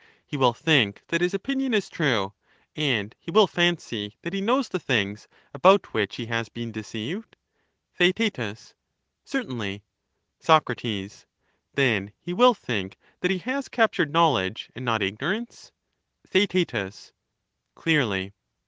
He will think that his opinion is true, and he will fancy that he knows the things about which he has been deceived ? Theaet, Certainly. Soc, Then he will think that he has captured knowledge and not ignorance ? Theaet Clearly.